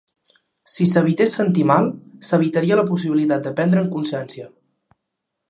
Si s'evités sentir mal, s'evitaria la possibilitat de prendre'n consciència.